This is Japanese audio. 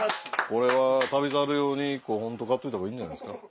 これは『旅猿』用に１個ホント買っといた方がいいんじゃないですか。